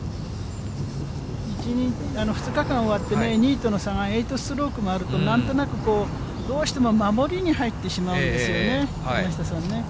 ２日間終わってね、２位との差が８ストロークもあると、なんとなく、どうしても守りに入ってしまうんですよね、山下さんね。